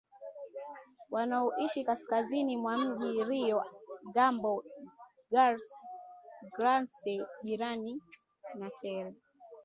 wanaoishi kaskazini mwa mji rio gambo grance jirani na tere